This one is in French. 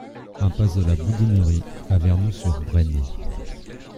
Impasse de la Bourdinerie à Vernou-sur-Brenne